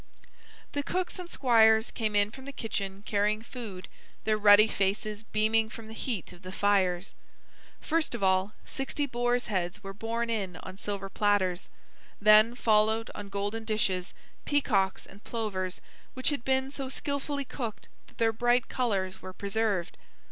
The cooks and squires came in from the kitchen carrying food, their ruddy faces beaming from the heat of the fires. First of all, sixty boars' heads were borne in on silver platters. Then followed, on golden dishes, peacocks and plovers which had been so skillfully cooked that their bright colors were preserved.